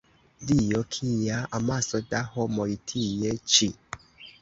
Dio! Kia amaso da homoj tie ĉi!